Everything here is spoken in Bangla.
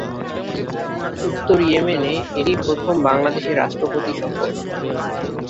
উত্তর ইয়েমেনে এটিই প্রথম বাংলাদেশী রাষ্ট্রপতি সফর।